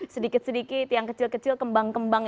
sedikit sedikit yang kecil kecil kembang kembang